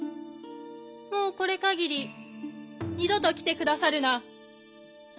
もうこれ限り二度と来て下さるな。